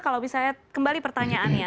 kalau bisa saya kembali pertanyaannya